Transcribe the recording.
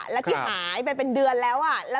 แล้วที่หายไปเป็นเดือนแล้ว